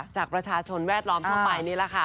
จากประชาชนแวดล้อมทั่วไปนี่แหละค่ะ